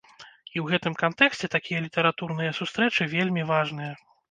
І ў гэтым кантэксце такія літаратурныя сустрэчы вельмі важныя.